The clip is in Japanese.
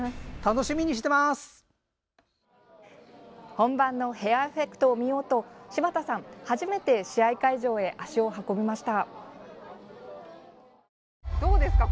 本番のヘアエフェクトを見ようと柴田さん、初めて試合会場へ足を運びました。